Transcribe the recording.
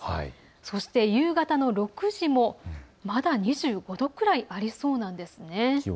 そして夕方の６時もまだ２５度くらいありそうなんですね。